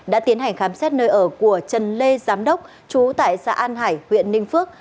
đã tiến hành khám xét nơi ở của trần lê giám đốc trú tại xã an hải huyện ninh phước